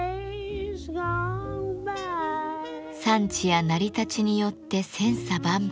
産地や成り立ちによって千差万別。